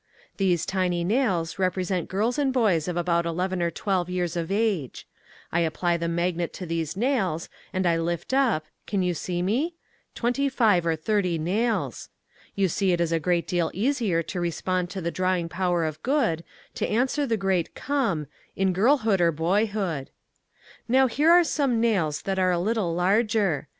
These tiny nails represent girls and boys of about eleven or twelve years of age. I apply the magnet to these nails and I lift up can you see me twenty five or thirty nails. You see it is a great deal easier to respond to the drawing power of good, to answer the great "Come," in girlhood and boyhood. Now here are some nails that are a little larger.